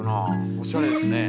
おしゃれですねえ。